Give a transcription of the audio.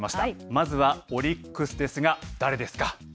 まずはオリックスですが、誰ですか。